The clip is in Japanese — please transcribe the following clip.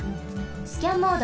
スキャンモード。